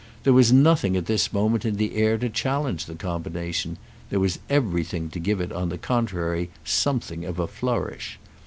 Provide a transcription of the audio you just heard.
There was nothing at this moment in the air to challenge the combination; there was everything to give it on the contrary something of a flourish.